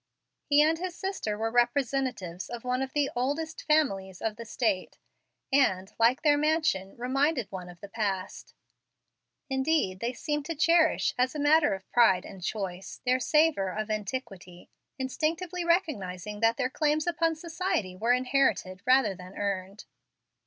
He and his sister were representatives of one of the "old families" of the State, and, like their mansion, reminded one of the past. Indeed, they seemed to cherish, as a matter of pride and choice, their savor of antiquity, instinctively recognizing that their claims upon society were inherited rather than earned.